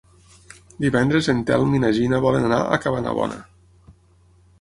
Divendres en Telm i na Gina volen anar a Cabanabona.